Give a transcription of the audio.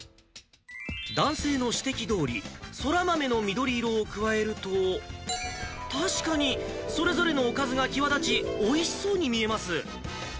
男性の指摘どおり、そら豆の緑色を加えると、確かに、それぞれのおかずが際立ち、おいしそうに見えます。